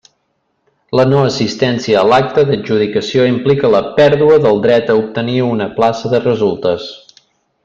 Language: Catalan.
La no assistència a l'acte d'adjudicació implica la pèrdua del dret a obtenir una plaça de resultes.